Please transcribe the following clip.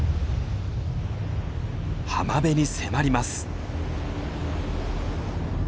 浜辺に迫ります。